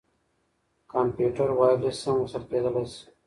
کمپيوټر وايرلس هم وصل کېدلاى سي.